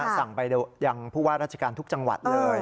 สั่งไปยังผู้ว่าราชการทุกจังหวัดเลย